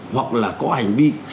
hoặc là có hành vi